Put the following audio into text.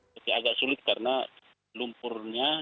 tapi agak sulit karena lumpurnya